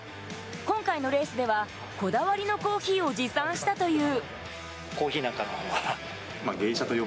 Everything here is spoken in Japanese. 今回のレースではこだわりのコーヒーを持参したという。